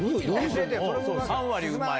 ３割うまい。